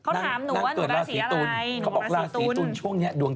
ตั้งแต่มีแฟนอารมณ์ดีเล่นมุกนะ